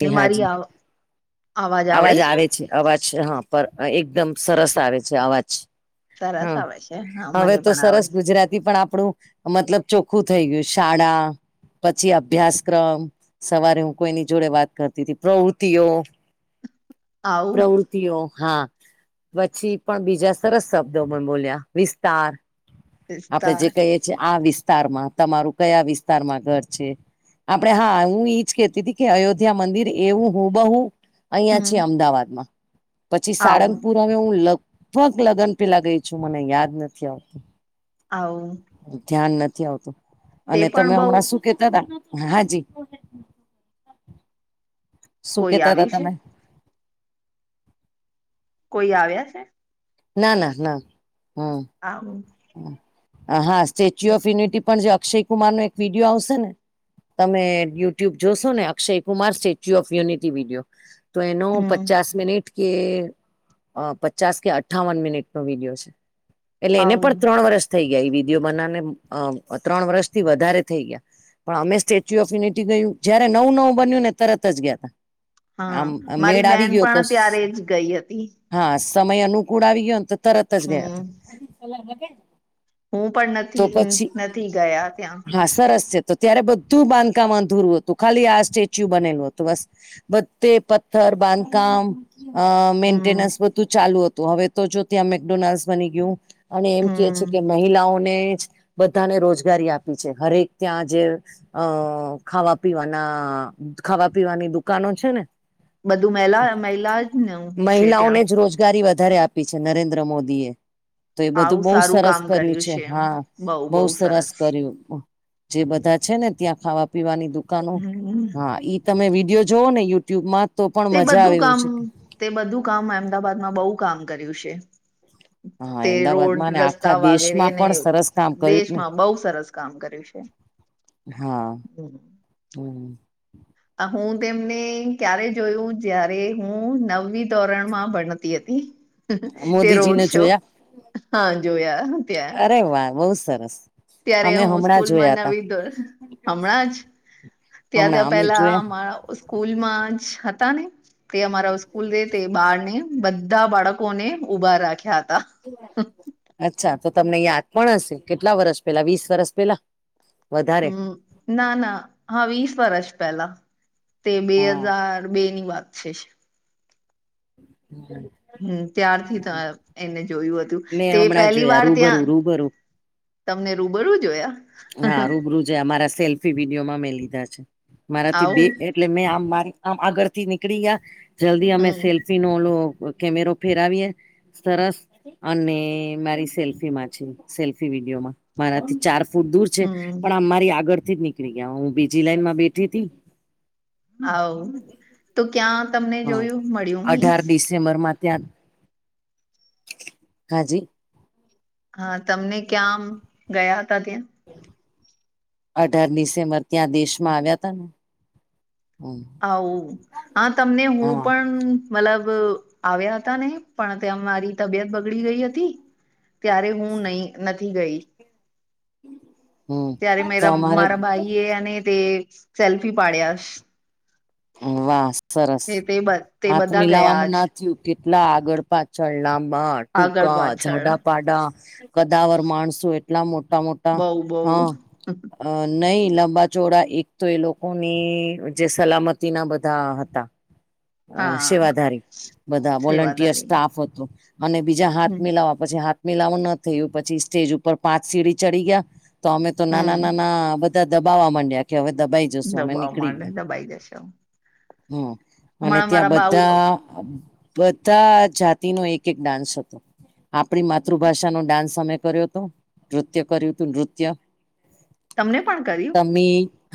અને જી હા મારી જી આવ અવાજ આવે છે અવાજ હા એકદમ સરસ આવે છે અવાજ સરસ આવે છે હા હવે મને તો પણ સરસ આવડે છે ગુજરાતી પણ આપણું મતલબ ચોખ્ખું થઈ ગયું શાળા પછી અભ્યાસક્રમ સવારે હું કોઈની જોડે વાત કરતી હતી પ્રવૃત્તિઓ આવું [unintelligible] ઓ હા પછી પણ બીજા સરસ શબ્દો પણ બોલ્યા વિસ્તાર આપડે જે વિસ્તાર કહીએ છીએ આ વિસ્તારમાં તમારું કયા વિસ્તારમાં ઘર છે આપડણે હા હું ઈજ કેતી હતી કે અયોધ્યા મંદિર એવું હું બહુ અહિયાં છે હમ અમદાવાદમાં પછી આવું સારંગપુર હ હું લગભગ લગ્ન પેલા ગઈ છું મને યાદ નથી આવતું હ ધ્યાન નથી આવતું અને પણ તમે બઉ હમણાં શું કેતા હતાા હાજી શું કોઈ કેતા હતાા આવ્યું છે તમે કોઈ આવ્યા છે ના ના ના હમ આ હા સ્ટેચ્યુ ઓફ યુનિટી પણ જે અક્ષય કુમાર નો એક વિડીિયો આવશે ને તમે યુટ્યુબ જોશો ને Akshay Kumar Statue of Unity video તો એનો હમ પચાસ મિટ કે પચાસ કે અઠ્ઠાવન મિનિટ નો વિડીિયો છે એટલે એને આવું પણ ત્રણ વર્ષ થઈ ગયા એ વિધયો બનાવને અ ત્રણ વર્ષ થી વધારે થઈ ગયા પણ અમે સ્ટેચ્યુ ઓફ યુનિટી ગયું જય નું નવું બન્યું ને તરત જ ગયા તા હા આમ મારી મેળ આવી બેન ગયો તો પણ ત્યારે જ ગઈ હતી હા સમય અનુકૂળ આવી ગયોને તો તરત જ ગયા હમ હું પણ તો નથી પછી નથી ગયા ત્યાં હા સરસ તો તો ત્યારે બધું બાંધકામમાં ધૂરવું હતું ખાલી આ સ્ટેચ્યુ બનેલું હતું બસ ભત્તે પથ્થર બાંધકામ અ હમ મેન્ટેનન્સ બધું ચાલુ હતું હવે તો જો ત્યાં મેકડોનાલ્ડ બની ગયું અને એમ કે છે હમ કે મહિલાઓને જ બધાને રોજગારી આપી છે હરેક ત્યાં જે અ ખાવા પીવાના ખાવા પીવાની દુકાનો છે ને. બધું મહિલા મહિલા જ ન છે ત્યાં. રજગારી વધારે આપી છે નરેન્દ્ર મોદી એ તો એ બધું આવું બહુ સારું સરસ કામ કર્યું છે હા બઉ બહુ બઉ સરસ કર જે બધા છે ને ત્યાં ખાવા પીવાની દુકાનો હમ હા ઈ તમે વિડીિયો જોવ ને યુટ્યુબમાં તો પણ તે મજા આવે બધું એું કામ છે તે બધું કામ અમદાબાદમાં બહુ કામ કર્યું છે હા તે અમદાવાદમાં રોડ ને આખા રસ્તા દેશમાં વાગેરેને પણ સરસ કામ કર્યું ને દેશમાં બહ સરસ કામ કર્યું છે હા હમ આ હું તેમને ક્યારે જોયું જય્યારે હું નવમ ધોરણમાં ભણતી હતી તે રોડ મોદીજીને શો જોયા હા જોયા ત આ અરે વાહ બહુ સરસ ત્યારે અમે હું હમણાં સ્કૂલ માં જોયા હતા નાવીધો હમણાં જ ત્યાં હમણાં ત્યાં અમે પેલા જોયા અમારા. સ્કૂલમાં જ હતા ને તે અમારા સ્કૂલ. બાર ને બધા બાળકોને ઉઊભા રાખ્યા હતા. અચ્છા તો તમને યાદ પણ હશે કેટલા વરસ પેલા વીસ વરસ પેલા. વધારે. હમ ના ના હા વીસ વર્ષ પહેલા તે બે હા હજાર બે ની વાત છે. હમ. હમ ત્યારથી એને જોયું હતું મેં તે હમણાં પહેલી જોયા વાર રૂબરૂ ત્યાં. રૂબરૂ તમને રૂબરું જોયા. હા રૂબરૂ છે મારા સેલ્ફી વિડીયોમાં મેં લીધા છે મારાથી બે. આવું એટલે મેં આમ મારી આમ આગળ થી નીકળી ગયા જલ્દી અમે હમ સેલ્ફી નો ઓ. કેમેરો ઓ ફેરાવી એ. સરસ અને મારી સેલ્ફી માં છે સેલ્ફી વિડીયોમાં મારાથી ચાર. ફૂટ દૂર છે પણ હમ આ મારી આગળ થી જ નીકળી ગયા હું બીજી લાઈનમાં બેઠી હતીથી. હા તો ક્યાં તમને જોયું મળ્યું મીન્સ. ચેમ્બર માં ત્યાં હાજી. હા તમને ક્યાં ગયા હતા ત્યાં. અઢાર ડિસેમ્બર ત્યાં દેશમાં આવ્યા હતા ને. હમ, આવું હા તમને હું હા પણ. મતલબ આવ્યા હતા ને પણ ત્યાં મારી તબિયત બગડી ગઈ હતી. ત્યારે હું નહી નથી ગઈ. હમ. ત્યારે તો મેરા અમારે મારા ભાઈ એ અને તે સેલ્ફી પાડ્યા. વાહ સરસ તે તે હાથ બધા ગયા મિલાવાનું આજ ના. કેટલા આગળ પાછળ નામાં આગળ ટૂંકા પાછળ જાડાપાડા. કદાવર માણસો એટલા મોટા મોટા બઉ બઉ હા. અ નહી લાંબા ચોળા એક તો એ લોકોની જે સલામતીના બધા હતા. અ હા સેવાધારી બધા વોલન્ટિયર સેવાદારી સ્ટાફ હતો અને બીજા હાથ હમ મિલાવા. પછી હાથ મિલાવ ન થયું પછી સ્ટેજ ઉપર પાંચ સીડી ચડી ગયા. તો અમે તો હમ નાના નાના બધા દબાવા માંડ્યા કે હવે દબાઈ. જશું અમે દબાવ નીકળી માં ગયા દબાઈ જશે. હમ અને હમણાં ત્યાં મારા બાઉ બધા. બધા જાતિનોો એક એક ડાન્સ હતો. આપણી માતૃભાષાનોો ડાન્સ અમે કર્યો હતો. નૃત્ય કર્યું હતું નૃત્ય. તમને પણ કર્યું.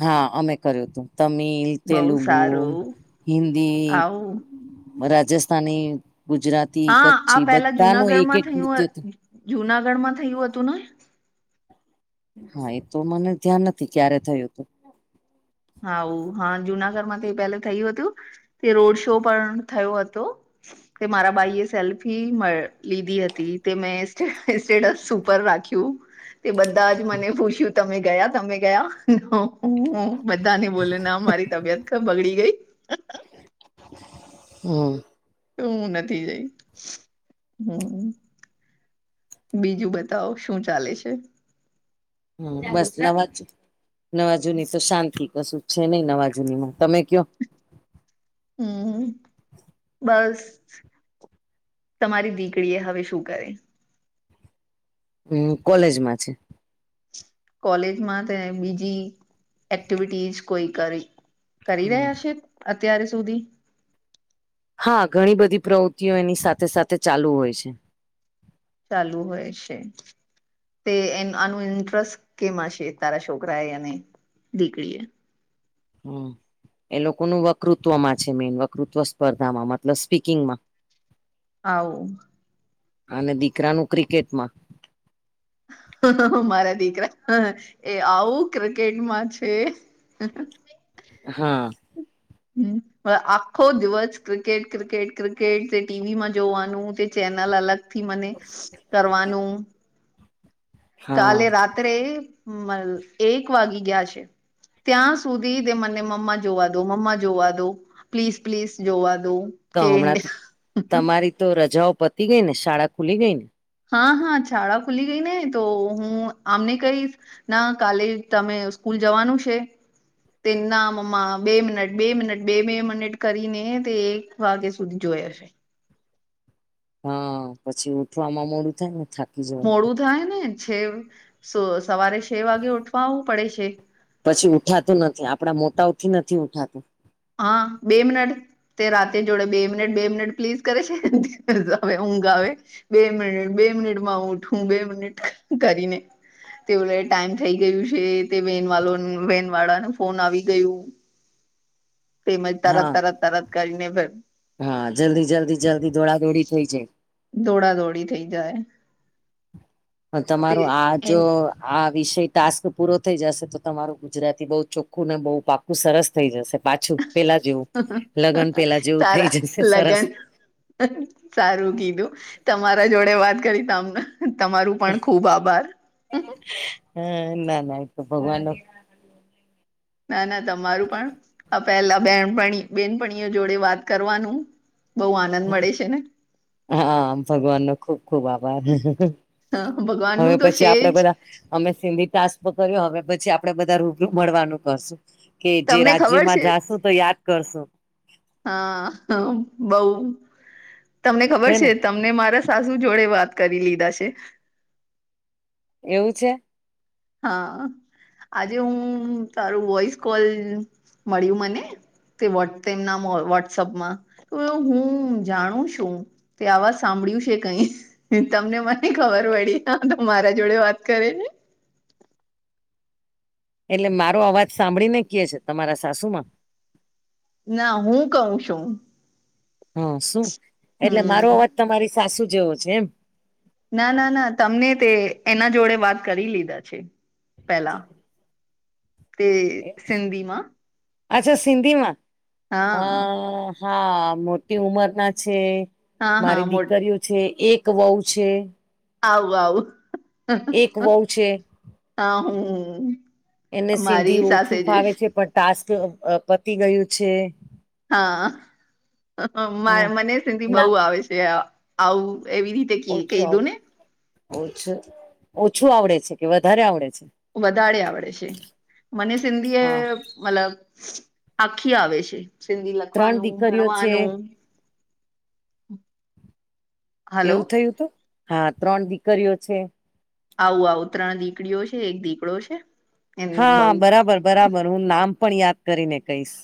હા અમે કર્યું હતું તમિલ બહુ તેલુગુ સારું હિ આવું રાજસ્થાની ગુજરાત હા આ પેલા જુનાગઢમાં હતું થયું જુનાગઢ માં થયું હતું ને હા એ તો મને ધ્યાન નથી ક્યારે થયું હતું. હાું હા જુનાગઢ માં તે પહેલે થયું હતું તે રોડ શો પણ થયો હતો. તે મારા બાઈ એ સેલ્ફી લીધી હતી તે મેં સ્ટેટસ સુપર રાખી. તે બધા જ મને પૂછ્યું તમે ગયા તમે ગયા. બધા ની બોલેને મારી તબિયત બગડી ગઈ. હમ. તો હું નથી જઈ હમ. બીજું બતાવો શું ચાલે છે. હમ બસ નવાજ નવા જુની તો શાંતિ કશું. છે નઈ નવાજુનીમાં તમે કયો. હમ બસ. તમારી દીકરી એ હવે શું કરે. હમ કોલેજમાં છે કોલેજમાં તે બીજી એક્ટિવિટીઝ કોઈ કરી કરી હમ રહ્યા છે અત્ય્યારે સુધી હા ઘણી બધી પ્રવૃત્તિઓ એની સાથે સાથે ચાલુ હોય છે ચાલુ હોય છે તે આનું ઇન્ટરેસ્ટ કેમ હશે તારા છોકરા એ અને દીકરી એ હમ એ લોકોનું વકતૃત્વમાં છે મેન વકૃત્વ સ્પર્ધામાં મતલબ સ્પીકિંગમાં હ અને દીકરાનું ક્રિકેટમાં મારા દીકરા એ આવું ક્રિકેટમાં છે હા હ આખો દિવસ ક્રિકેટ ક્રિકેટ ક્રિકેટ તે ટીવીમાં જોવાનું તે ચેનલ અલગ થી મને કરવાનું કાલે હા રાત્રે એક વાગી ગયા છે ત્યાં સુધી તે મને મમ્મા જોવા દો મમ્મા જોવા દો પ્લીઝ પ્લીઝ જોવા દઉ તો હમણાં તમારી તો રજાઓ પતી ગઈ ને શાળા ખુલી ગઈ ને હા હા શાળા ખુલી ગઈ ને તો હું આમને કઈ ના કાલે તમે સ્કૂલ જવાનું છે તે ના મમ્મા બે મિનટ બે મિનટ બે બે મિનિટ કરીને તે વાગ્યા સુધી જોઈ હશે હા પછી ઉઠવામાં મોડું થાય ને થા મોડું થાય ને છે સવારે છે વાગે ઉઠવાવું પડે છે પછી ઉઠાતું નથી આપણા મોટાઓથી નથી ઉઠાતું હા બે મિનટ તે રાતે જોડે બે મિનિટ બે મિનિટ પ્લીઝ કરે છે આવે ઊંઘ આવે બે મિનિટ બે મિનિટમાંું ઉઠું બે મિનિટ કરીને તે ઓ લ ટાઈમ થઈ ગયું છે તે વેન વા વન વાળા ન ફોન આવી ગયું તેજ તરત હા તરત તરત કરીને ફેર હા જલ્દી જલ્દી જલ્દી દોડા દોડી થઈ જાય દોડા દોડી થઈ જાય તે તમારોું આ એ જો આ વિષય ટાસ્ક પૂરો થઈ જશે તો તમારું ગુજરાતી બહઉ ચોખ્ખું ને બઉુ પાપ ું સરસ થઈ જશે પાછું પેલા જેવું લગ્ન પેલા જેવું થઈ સારા જશે સરસ લગન સારું કીધું તમારા જોડે વાત કરી તમને- - તમારું પણ ખુબ આભાર. હા ના નાત ભગવાન- - ના ના તમારું પણ આ પેલા બેન બેનપણીઓ જોડે વાત કરવાનું- - બહુ આનંદ મળે છે ને હામ ભગવાન નો ખુબ ખુબ આભાર ભગવાન હવે નું તો પછી છે આપડે જ બધા અમે સિંધી ટાસ્પ કર્યો હવે પછી આપડે બધા રૂબરૂ મળવાનું કશું કે જે તમને ખબર રાજ્યમાં છે જાશુ તો યાદ કરશો હા હ બઉ તમને ખબર હે છે ને તમને મારા સાસુ જોડે વાત કરી લીધા છે એવું છે હા આજે હું તારું વોઇસ કોલ મળ્યું મને તે તેમના વોટ્સઅપમાં તો હું જાણું છું તે આવાજ સાંભળ્યું છે કઈ તમને મને ખબર પડી તો મારા જોડે વાત કરે ને એટલે મારો અવાજ સાંભળી ને ક છે તમારા સાસુ માં ના હું કહું છું હા શું એટલે મારો હમ અવાજ તમારી સાસુ જેવો છે એમ? ના ના ના તમને તે એના જોડે વાત કરી લીધા છે. પેલા તે એમ. સધીમાં- - અચ્છા સિંધીમાં હ હા હા મોટી ઉમર ના છે- હા - હા મારી મો દીકરીઓ છે એક વહુ છે- - આવ આવ. એક વહુ છે હું એને મારી સિંધી સાસે ઓછું જે ભાવે છે પ- - ટાસ્ક પતી ગયું છે. હમ હા મને સિધી બહ ના આવે છે આવું એવી રીતે- - ઓછું આવડ ઓછું ઓછું આવડે છે કે વધારે આવડે છે? વધારે આવડે છે મને સિંધી એ હા મતલબ- - આખી આવે છે સિંધી ત્રણ લખવાનું દીકરીઓ છે ભણવાનું- - હલો એવું થયું હતું હા ત્રણ દીકરીઓ છે. આવું આવું ત્રણ દીકરીઓ છે એક દીકરો છે. એમને હા બઉ બરાબર બરાબર હું નામ પણ યાદ કરીને કહીશ.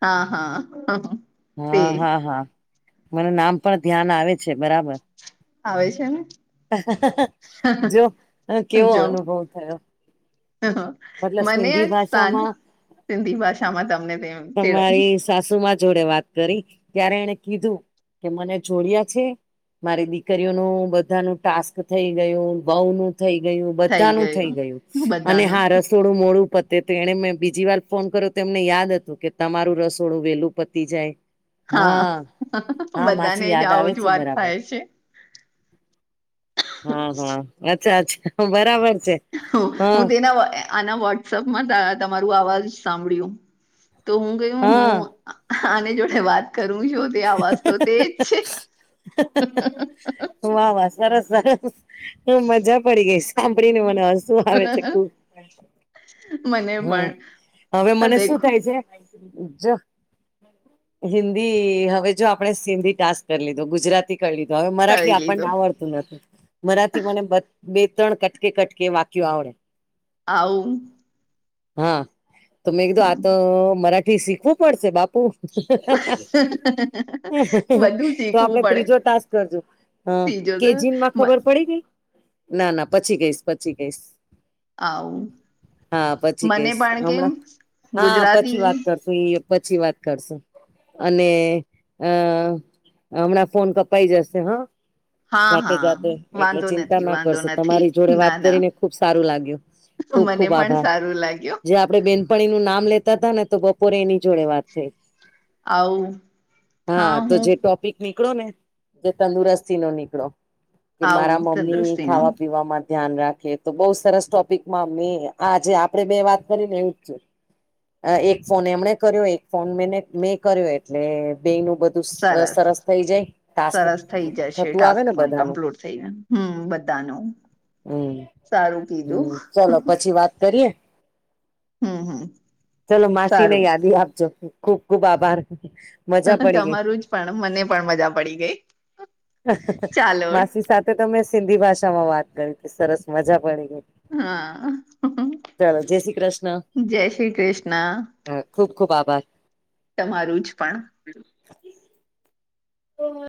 હા હા. તે હા હા હા મને નામ પણ ધ્યાન આવે છે બરાબર. આવે છે ને? જો કેવો અનુભવ થયો- - હા હા. મતલબ સિંધી ભાષામાં- સિંધી ભાષામાં તમને તે - તેડ તમારી સાસુ માં જોડે વાત- - કરી ત્યારે એને કીધું કે મને જોડયા છે. મારી દીકરીઓનું બધા ન ટાસ્ક થઈ ગયું બહું નું- - થઈ ગયું બધા નું થઈ ગયું અને હ રસ- - થોડું મોડું પતે તો એણે મેં બીજી વાર ફોન કરો તો એમને યાદ હતું કે તમારું રસોડું વેલું પતી જાય. હા હા બધાને માસી જ યાદ આવે આવું જ છે વાત બરાબર. થાય છે હા હા અચ્છા અચ્છા બરાબર છે. હા હું તેના આના વોટ્સઅપમાં તમારું અવાજ સાંભળ્યું. તો હું ગું હા હું આને જોડે વાત- - કરું જો તે આવાજ તો તેજ છે. વા વાહ સરસ સરસ હ મજા પડી ગઈ સાંભળી ને મને શું આવે છે. મને પણ હા હવે મને શું દેખો થાય છે? જો હિન્દી હવે જો આપણે સિંધી ટાસ્ક કરી લીધું ગુજરાતી- - ક લીધ હવે મરાઠ કરી આપણને લીધો આવડતું નથી. મરાથી મને બે ત્રણ કટકી કટકી વાક્યો આવડે. આવું હા તો મેં કીધું આ હમ. તો મરાઠી શીખવું પડશે બાપુ. બધું તો શીખવું આપડે પડે ત્રીજો ટાસ્ક કરજો? હા ત્રીજો તો કેજીનમાં મ- ખબર પડી ગઈ ના ના પછી કઈશ પછી કઈશ. આવ. હા પછી કઈશ હમણાં હા પછી ગુજરાતી વાત કરશું એ પછી વાત કરશું. અને અ હમણાં ફોન કપાઈ જશે હા. હા જાતે હા જાતે એટલે વાંધો ચિંતા નથી ના વાંધો કરશો નથી તમારી જોડે વાત ના ના કરીને ખુબ સારું લાગ્યું. ખૂબ ખૂબ આભાર. લાગ્યો? જે આપડે બેનપણી નું નામ લેતા હતા ને તો બપોરે એની જોડે વાત થઈ. આવું હા તો જે ટોપ પીક નીકળો ને જે તંદુરસ્તી નો નીકળો કે આવું મારા મમ્મી તંદુરસ્તીનું ખાવા પીવા માટે ધ્યાન રાખીએ તો બઉુ સરસ ટોપિકમાં અમે આજે આપે બે વાત કરી ને એવું જ છે એક ફોન એમણે કર્યો એક ફોન મે મેં કર્યો એટલે બે ન બધું સરસ થઈ જાય ટાસ્ક સરસ થઈ જશે થતું આવે ટાસ્ક ને પણ બધાનું કમ્પ્લીટ થઈ જશે. હમ બધા ન હમ હમ ચલોો પછી વાત કરીએ હમ હમ. ચલો માસી ને સારું યાદી આપજો ખુબ ખુબ આભાર. મજા પડી ગઈ તમારું જ પણ મને પણ મજા પડી ગઈ ચાલો માસી સાથે તમે સિંધી ભાષામાં વાત કરી હતી સરસ મજા પડી ગઈ હા ચલો જય શ્રી જય શ્રી કૃષ્ણ અ ખૂબ ખૂબ આભાર તમારું જ પણ બ [inaudible] બહોત.